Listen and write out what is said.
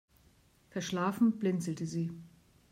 Verschlafen blinzelte sie.